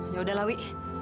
yaudah lah wi